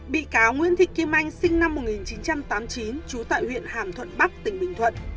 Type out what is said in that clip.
bị cáo nguyễn thị kim anh sinh năm một nghìn chín trăm tám mươi chín trú tại huyện hàm thuận bắc tỉnh bình thuận